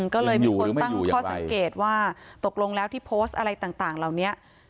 ก็เลยมีคนตั้งข้อสังเกตว่าตกลงแล้วที่โพสต์อะไรต่างเหล่านี้